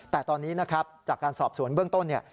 แต่ตอนนี้จากการสอบสวนเบื้องต้น